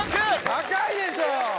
高いでしょ！